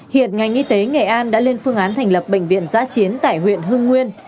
hiện ngành y tế nghệ an đã lên phương án thành lập bệnh viện giã chiến tại huyện hưng nguyên